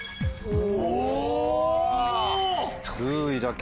お！